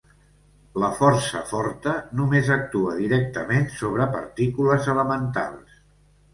La força forta només actua directament sobre partícules elementals.